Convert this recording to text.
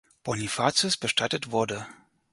Bonifatius bestattet wurde.